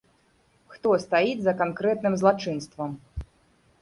Хто стаіць за канкрэтным злачынствам.